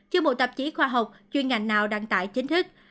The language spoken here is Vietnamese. chưa một tạp chí khoa học chuyên ngành nào đăng tải chính thức